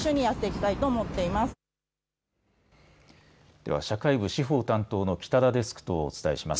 では社会部司法担当の北田デスクとお伝えします。